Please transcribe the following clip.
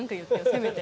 せめて。